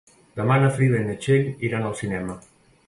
Demà na Frida i na Txell iran al cinema.